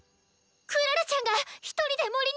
クララちゃんが１人で森に！